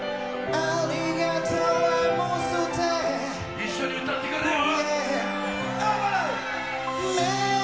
一緒に歌ってくれよ！